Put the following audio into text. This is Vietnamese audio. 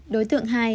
đối tượng hai